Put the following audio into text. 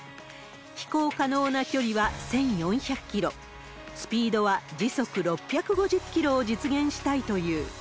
飛行可能な距離は１４００キロ、スピードは時速６５０キロを実現したいという。